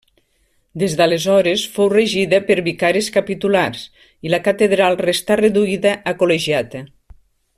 Des d’aleshores fou regida per vicaris capitulars i la catedral restà reduïda a col·legiata.